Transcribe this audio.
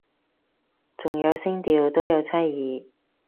仲有聲調都有差異